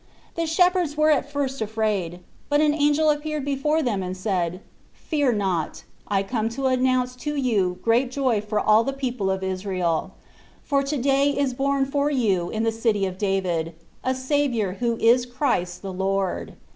The shepherds were at first afraid ; but an angel appeared before them and said :" Fear not ; I come to announce to you great joy for all the people of Israel : for to day is born for you in the city of David a Saviour who is Christ the Lord.